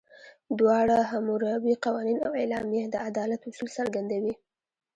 دواړه، حموربي قوانین او اعلامیه، د عدالت اصول څرګندوي.